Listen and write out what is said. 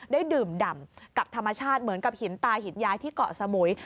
ได้ดื่มดำกับธรรมชาติเหมือนกับหินตาหินย้ายที่เกาะสมุย